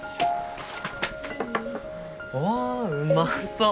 わぁうまそう。